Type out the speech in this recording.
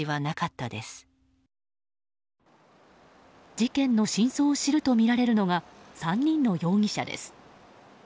事件の真相を知るとみられるのが３人の容疑者です。